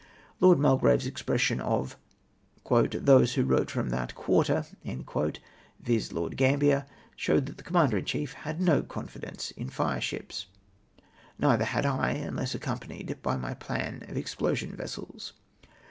Lord Midgrave's expression of " those who wrote from that quarter," viz Lord Gambier, showed that the Commander in chief had no confidence in fire ships. Neither had I, miless accompanied by my plan of explosion vessels.